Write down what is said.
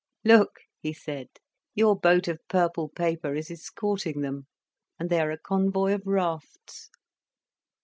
"Look," he said, "your boat of purple paper is escorting them, and they are a convoy of rafts."